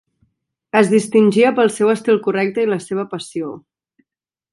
Es distingia pel seu estil correcte i la seva passió.